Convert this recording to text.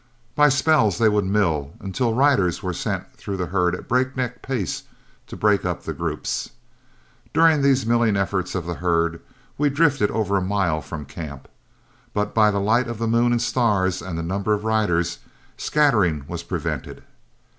By spells they would mill, until riders were sent through the herd at a break neck pace to break up the groups. During these milling efforts of the herd, we drifted over a mile from camp; but by the light of moon and stars and the number of riders, scattering was prevented.